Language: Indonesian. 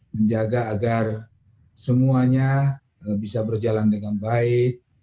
menjaga agar semuanya bisa berjalan dengan baik